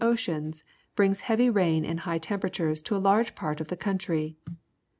oceans, brings heavy rain and high tempera tures to a large part of the country.